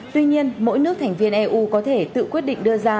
tuy nhiên mỗi nước thành viên eu có thể tự quyết định đưa ra